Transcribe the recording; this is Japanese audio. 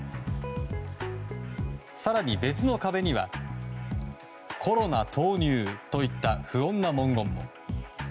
更に別の壁には「コロナ投入」といった不穏な文言も。